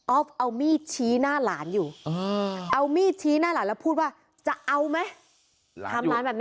ออฟเอามีดชี้หน้าหลานอยู่เอามีดชี้หน้าหลานแล้วพูดว่าจะเอาไหม